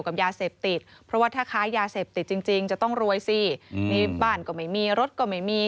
มีบ้านก็ไม่มีรถก็ไม่มี